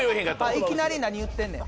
いきなり何言ってんねん。